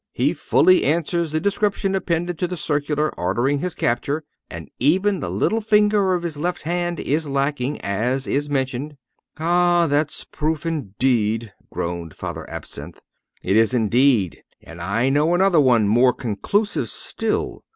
He fully answers the description appended to the circular ordering his capture, and even the little finger of his left hand is lacking, as is mentioned." "Ah! that's a proof indeed!" groaned Father Absinthe. "It is indeed. And I know another one more conclusive still.